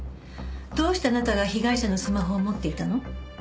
どうしてあなたが被害者のスマホを持っていたの？